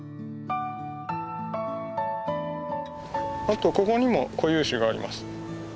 あとここにも固有種があります。